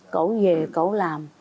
cậu về cậu làm